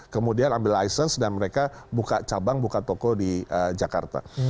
kemudian ambil ices dan mereka buka cabang buka toko di jakarta